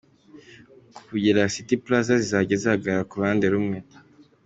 kugera kuri City Plaza, zizajya zihagarara ku ruhande rumwe.